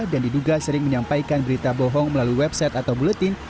dan diduga sering menyampaikan berita bohong melalui website atau buletin